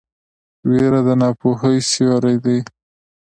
ویره د ناپوهۍ سیوری دی.